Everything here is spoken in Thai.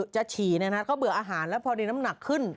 จะฉีนะครับเขาเบื่ออาหารแล้วพอดีน้ำหนักขึ้น